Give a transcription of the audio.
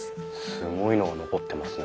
すごいのが残ってますね。